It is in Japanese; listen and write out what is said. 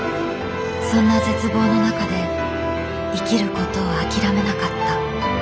そんな絶望の中で生きることを諦めなかった。